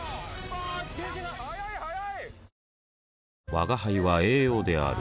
吾輩は栄養である